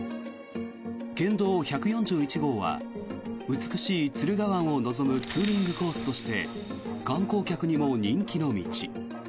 県道１４１号は美しい敦賀湾を望むツーリングコースとして観光客にも人気の道。